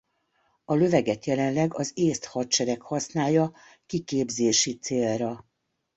A löveget jelenleg az észt hadsereg használja kiképzési célra.